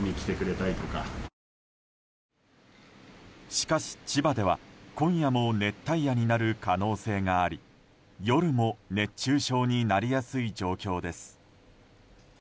しかし、千葉では今夜も熱帯夜になる可能性があり夜も熱中症になりやすい状況です。